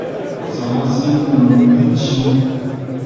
Khɔ ncɛ́n wo lo wúji o ?